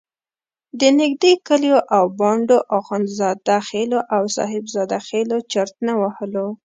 د نږدې کلیو او بانډو اخندزاده خېلو او صاحب زاده خېلو چرت نه وهلو.